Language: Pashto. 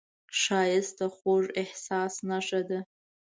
ښایست د خوږ احساس نښه ده